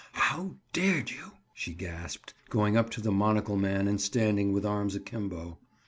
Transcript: "How dared you?" she gasped, going up to the monocle man and standing with arms akimbo.